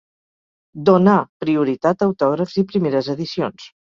Donà prioritat a autògrafs i primeres edicions.